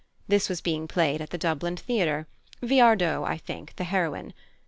This was being played at the Dublin theatre Viardot, I think, the heroine.